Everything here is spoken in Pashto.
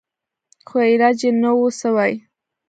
خو علاج يې نه و سوى.